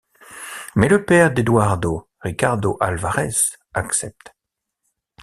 Mais le père d'Eduardo, Ricardo Alvarez, accepte.